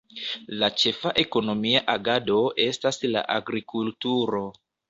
La ĉefa ekonomia agado estas la agrikulturo.